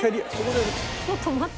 ええちょっと待って。